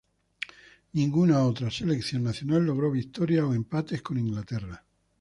Ninguna otra selección nacional logró victorias o empates con Inglaterra.